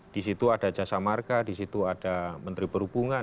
di situ ada jasa marga di situ ada menteri perhubungan